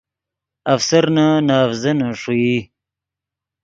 افسرنے نے اڤزینے ݰوئی